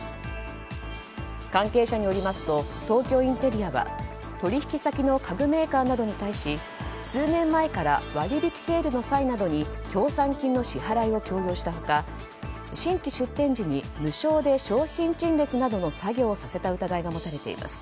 関係者によりますと東京インテリアは取引先の家具メーカーなどに対し数年前から割引セールの際などに協賛金の支払いを強要した他新規出店時に無償で商品陳列などの作業をさせた疑いが持たれています。